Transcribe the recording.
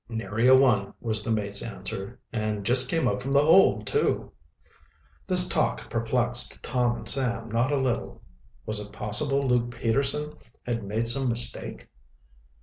"Nary a one," was the mate's answer. "And just came up from the hold, too." This talk perplexed Tom and Sam not a little. Was it possible Luke Peterson had made some mistake?